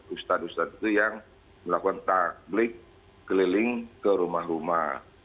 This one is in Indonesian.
ustadz ustadz itu yang melakukan takbik keliling ke rumah rumah